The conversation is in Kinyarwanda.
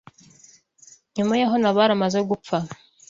Nyuma y’aho Nabali amaze gupfa